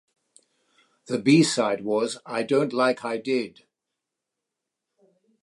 The "B" side was "I Don't Like I Did".